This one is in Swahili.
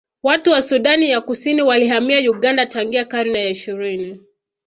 Watu wa Sudani ya Kusini walihamia Uganda tangia karne ya ishirini